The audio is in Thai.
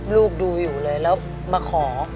ลูกดูอยู่เลยแล้วมาขอ